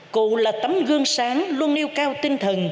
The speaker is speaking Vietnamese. cụ là tấm gương sáng luôn yêu cao tinh thần